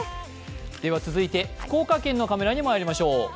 続いて福岡県のカメラにまいりましょう。